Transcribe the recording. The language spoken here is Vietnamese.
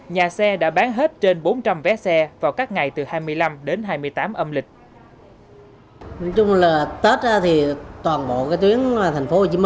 nhà xe đã bán hết trên bốn trăm linh vé xe vào các ngày từ hai mươi năm đến hai mươi tám âm lịch